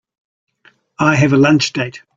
I have a lunch date.